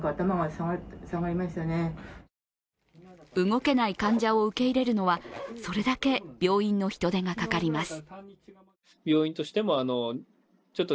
動けない患者を受け入れるのは、それだけ病院の人手がかかります。